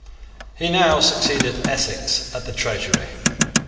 He now succeeded Essex at the treasury.